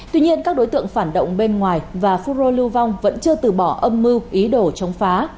tuy nhiên các đối tượng phản động bên ngoài và phun rô lưu vong vẫn chưa từ bỏ âm mưu ý đồ chống phá